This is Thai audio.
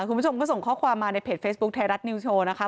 คุณผู้ชมก็ส่งข้อความมาในเพจเฟซบุ๊คไทยรัฐนิวโชว์นะคะ